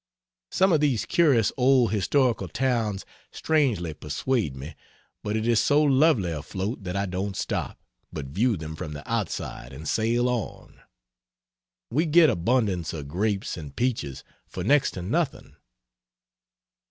Some of these curious old historical towns strangely persuade me, but it is so lovely afloat that I don't stop, but view them from the outside and sail on. We get abundance of grapes and peaches for next to nothing.